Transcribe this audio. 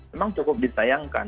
memang cukup disayangkan